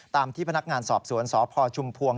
ตามที่พนักงานสอบสวนสพชุมพวง